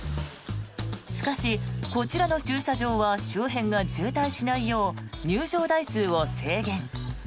しかしこちらの駐車場は周辺が渋滞しないよう入場台数を制限。